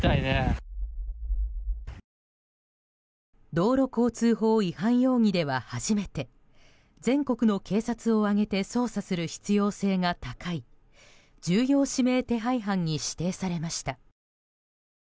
道路交通法違反容疑では初めて全国の警察を挙げて捜査する必要性が高い重要指名手配犯に指定されました。